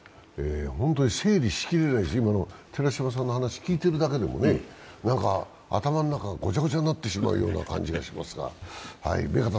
本当に整理しきれないです、寺島さんの話を聞いているだけでも頭の中がごちゃごちゃになってしまうような感じがしますが。